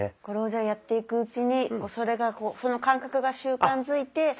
これをじゃあやっていくうちにその感覚が習慣づいて。